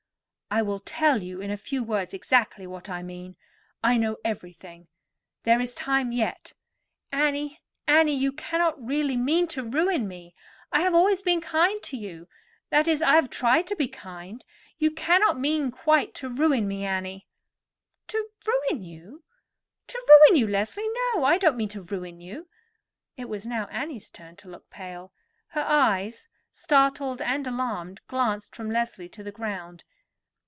"I will tell you in a few words exactly what I mean. I know everything. There is time yet. Annie, Annie, you cannot mean really to ruin me. I have always been kind to you—that is, I have tried to be kind. You cannot mean quite to ruin me, Annie." "To ruin you—to ruin you, Leslie? No; I don't mean to ruin you." It was now Annie's turn to look pale; her eyes, startled and alarmed, glanced from Leslie to the ground.